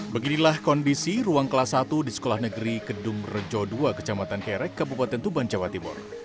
beginilah kondisi ruang kelas satu di sekolah negeri kedung rejo ii kecamatan kerek kabupaten tuban jawa timur